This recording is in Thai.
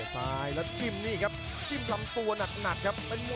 เตะไปที่พับในอีกทีแล้วทิ้งแล้วทิ้งซ้ายโอ้โห